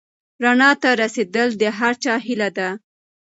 رڼا ته رسېدل د هر چا هیله ده.